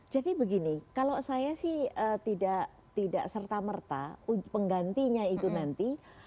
jadi begini kalau saya sih tidak serta merta penggantinya itu nanti